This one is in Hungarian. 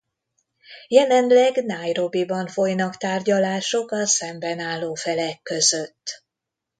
Jelenleg Nairobiban folynak tárgyalások a szembenálló felek között.